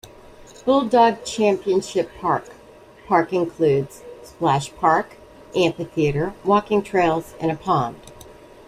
Bulldog Championship Park - Park includes splash park, amphitheater, walking trails, and a pond.